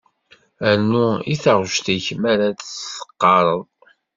Rnu i taɣect-ik mi ara d-teqqareḍ.